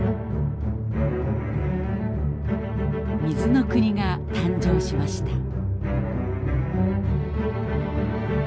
水の国が誕生しました。